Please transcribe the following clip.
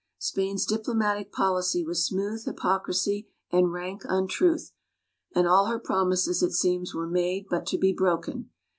Spain's diplomatic policy was smooth hypocrisy and rank untruth, and all her promises, it seems, were made but to be broken.